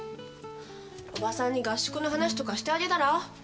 おばさんに合宿の話とかしてあげたら？